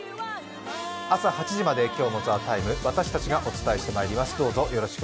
朝８時まで今日、「ＴＨＥＴＩＭＥ，」私たちがお伝えしていきます。